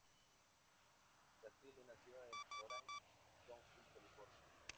Castile nació en Orange County, California.